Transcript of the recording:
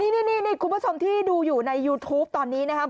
นี่คุณผู้ชมที่ดูอยู่ในยูทูปตอนนี้นะครับ